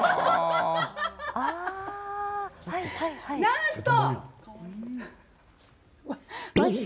なんと！